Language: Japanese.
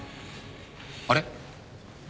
あれ？